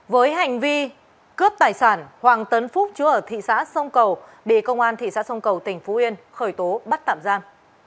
với hành vi cướp tài sản hoàng tấn phúc chứa ở thị xã sông cầu bị công an thị xã sông cầu tỉnh phú yên khởi tố bắt tạm giam